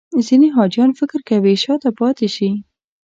ځینې حاجیان فکر کوي شاته پاتې شي.